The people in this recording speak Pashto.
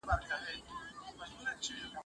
عزت الله پېژاند صديق الله مين